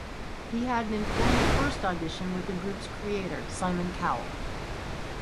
He had an informal first audition with the group's creator, Simon Cowell.